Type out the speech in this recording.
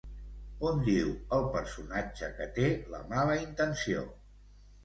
On diu el personatge que té la mala intenció?